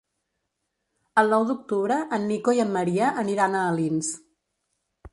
El nou d'octubre en Nico i en Maria aniran a Alins.